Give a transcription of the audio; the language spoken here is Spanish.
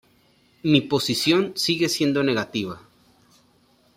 Mi posición sigue siendo negativa.